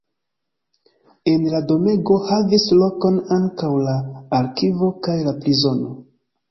En la domego havis lokon ankaŭ la arkivo kaj la prizono.